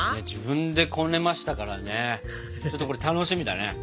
自分でこねましたからねちょっとこれ楽しみだね。